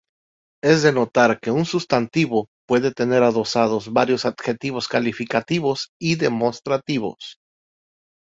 Es de notar que un sustantivo puede tener adosados varios adjetivos calificativos y demostrativos.